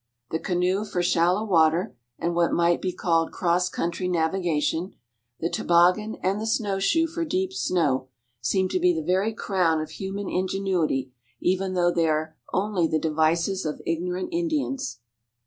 The canoe for shallow water and what might be called cross country navigation, the toboggan, and the snow shoe for deep snow, seem to be the very crown of human ingenuity, even though they are only the devices of ignorant Indians.